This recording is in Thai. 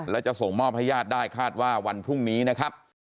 และจะส่งมอบให้ญาติได้คาดว่าวันพรุ่งนี้นะครับ